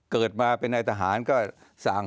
เกิดมาเป็นนายทหารก็สั่ง